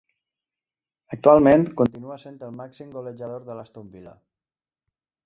Actualment, continua sent el màxim golejador de l'Aston Villa.